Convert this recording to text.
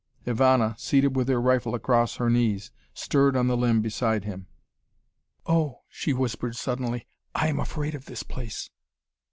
Ivana, seated with her rifle across her knees, stirred on the limb beside him. "Oh," she whispered suddenly, "I am afraid of this place!"